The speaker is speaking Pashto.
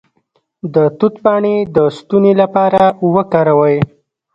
د توت پاڼې د ستوني لپاره وکاروئ